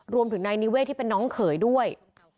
รวมถึงนายนิเวศที่เป็นน้องเขยด้วย